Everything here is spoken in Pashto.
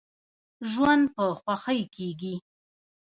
ژوند په خوښۍ کیږي.